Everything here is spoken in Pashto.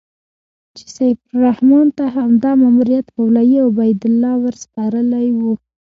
چې سیف الرحمن ته همدا ماموریت مولوي عبیدالله ورسپارلی و.